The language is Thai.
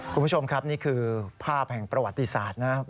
คุณผู้ชมครับนี่คือภาพแห่งประวัติศาสตร์นะครับ